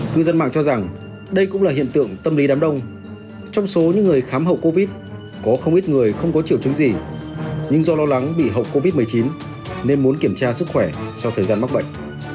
cư dân mạng cho rằng đây cũng là hiện tượng tâm lý đám đông trong số những người khám hậu covid có không ít người không có triệu chứng gì nhưng do lo lắng bị hậu covid một mươi chín nên muốn kiểm tra sức khỏe sau thời gian mắc bệnh